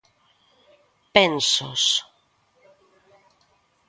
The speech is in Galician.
Pensos